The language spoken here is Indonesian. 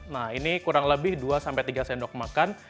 nah ini kurang lebih dua tiga sendok makan